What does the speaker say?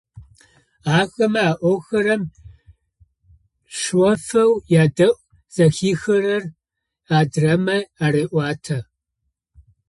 Ахэмэ аӏохэрэм шъэфэу ядэӏу, зэхихырэр адрэмэ ареӏуатэ.